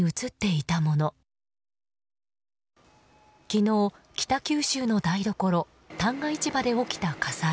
昨日、北九州の台所旦過市場で起きた火災。